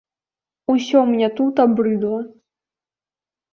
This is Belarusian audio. Усё мне тут абрыдла!